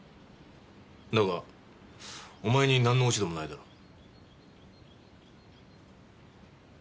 だがお前に何の落ち度もないだろう。